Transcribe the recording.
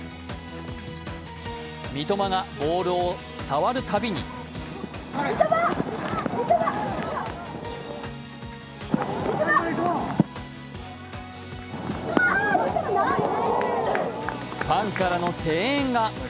三笘がボールを触るたびにファンからの声援が。